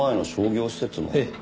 ええ。